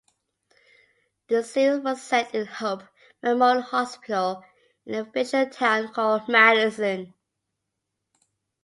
The series was set in Hope Memorial Hospital in a fictional town called Madison.